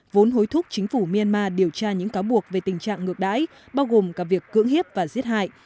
vốn hối thúc chính phủ myanmar điều tra những cáo buộc về tình trạng ngược đãi bao gồm cả việc cưỡng hiếp và giết hại